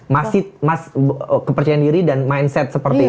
masih kepercayaan diri dan mindset seperti itu